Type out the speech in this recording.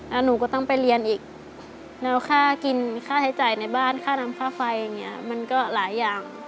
แล้วหนูก็ต้องไปเรียนอีกแล้วค่ากินค่าใช้จ่ายในบ้านค่าน้ำค่าไฟอย่างนี้มันก็หลายอย่าง